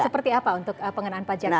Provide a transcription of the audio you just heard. seperti apa untuk pengenaan pajak